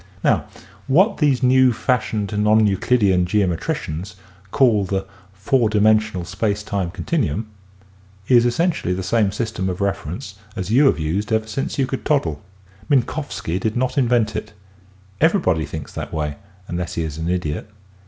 Now what these new fashioned non EucUdean geometricians call " the four dimensional space time continuum " is essentially the same system of reference as you have used ever since you could toddle. Minkowski did not invent it. Everybody thinks that way unless he is an idiot.